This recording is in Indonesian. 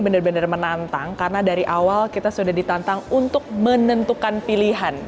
benar benar menantang karena dari awal kita sudah ditantang untuk menentukan pilihan